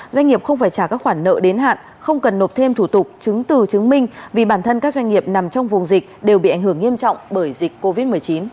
doanh nghiệp không phải trả các khoản nợ đến hạn không cần nộp thêm thủ tục chứng từ chứng minh vì bản thân các doanh nghiệp nằm trong vùng dịch đều bị ảnh hưởng nghiêm trọng bởi dịch covid một mươi chín